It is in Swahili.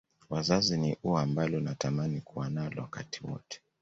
Wazazi ni ua ambalo natamani kuwa nalo wakati wote